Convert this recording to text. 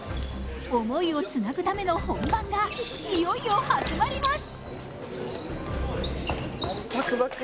思いをつなぐための本番がいよいよ始まります。